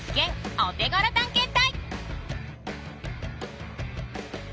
オテゴロ探検隊。